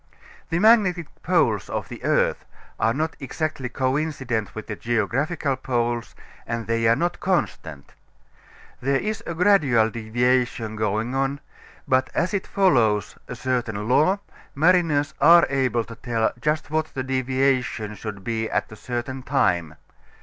The magnetic poles of the earth are not exactly coincident with the geographical poles, and they are not constant. There is a gradual deviation going on, but as it follows a certain law mariners are able to tell just what the deviation should be at a certain time.